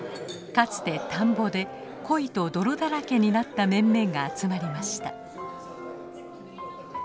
かつて田んぼでコイと泥だらけになった面々が集まりました。